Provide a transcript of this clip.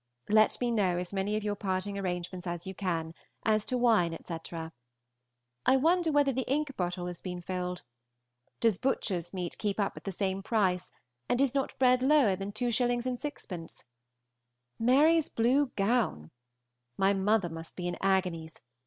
Let me know as many of your parting arrangements as you can, as to wine, etc. I wonder whether the ink bottle has been filled. Does butcher's meat keep up at the same price, and is not bread lower than 2_s._ 6_d._? Mary's blue gown! My mother must be in agonies.